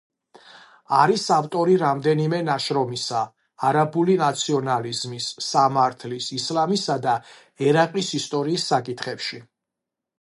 არის ავტორი რამდენიმე ნაშრომისა არაბული ნაციონალიზმის, სამართლის, ისლამისა და ერაყის ისტორიის საკითხებში.